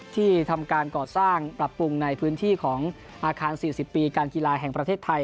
ที่ทำการก่อสร้างปรับปรุงในพื้นที่ของอาคาร๔๐ปีการกีฬาแห่งประเทศไทย